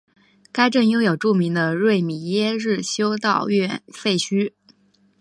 该镇拥有著名的瑞米耶日修道院废墟。